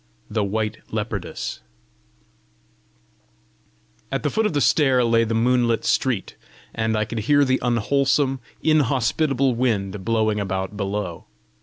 THE WHITE LEOPARDESS At the foot of the stair lay the moonlit street, and I could hear the unwholesome, inhospitable wind blowing about below.